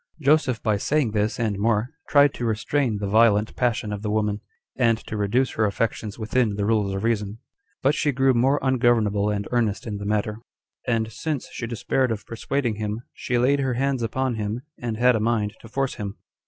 5. Joseph, by saying this, and more, tried to restrain the violent passion of the woman, and to reduce her affections within the rules of reason; but she grew more ungovernable and earnest in the matter; and since she despaired of persuading him, she laid her hands upon him, and had a mind to force him.